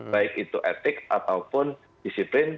baik itu etik ataupun disiplin